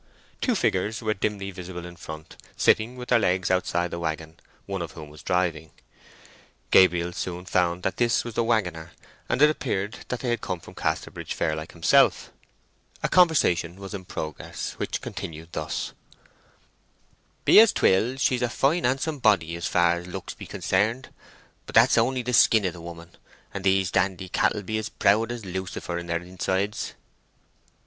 Two figures were dimly visible in front, sitting with their legs outside the waggon, one of whom was driving. Gabriel soon found that this was the waggoner, and it appeared they had come from Casterbridge fair, like himself. A conversation was in progress, which continued thus:— "Be as 'twill, she's a fine handsome body as far's looks be concerned. But that's only the skin of the woman, and these dandy cattle be as proud as a lucifer in their insides."